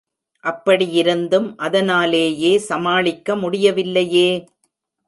அப்படி யிருந்தும், அதனாலேயே, சமாளிக்க முடியவில்லையே!